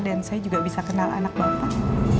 dan saya juga bisa kenal anak bapak